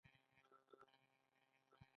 آزاد تجارت مهم دی ځکه چې نوې انرژي راوړي.